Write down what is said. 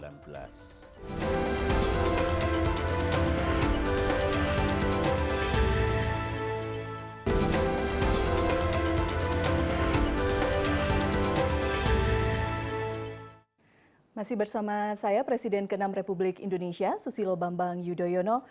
masih bersama saya presiden ke enam republik indonesia susilo bambang yudhoyono